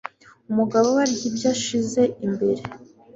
Umugabo we arya ibyo yashyize imbere.